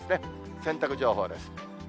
洗濯情報です。